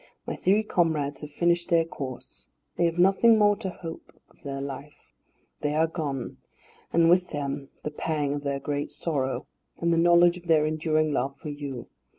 My three comrades have finished their course; they have nothing more to hope of their life. They are gone, and with them the pang of their great sorrow, and the knowledge of their enduring love for you.